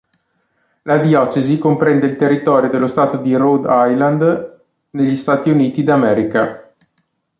La diocesi comprende il territorio dello Stato di Rhode Island negli Stati Uniti d'America.